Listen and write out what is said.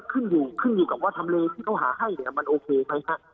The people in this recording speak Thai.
ก็ขึ้นอยู่กับว่าทำเลที่เขาหาให้มันโอเคไหมคะ